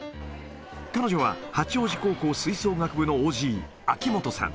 彼女は、八王子高校吹奏楽部のＯＧ、秋元さん。